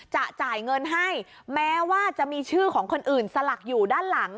จ่ายเงินให้แม้ว่าจะมีชื่อของคนอื่นสลักอยู่ด้านหลัง